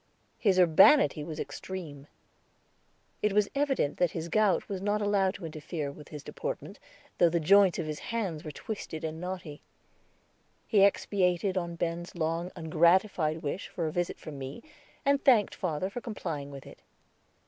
His urbanity was extreme; it was evident that the gout was not allowed to interfere with his deportment, though the joints of his hands were twisted and knotty. He expatiated upon Ben's long ungratified wish for a visit from me, and thanked father for complying with it.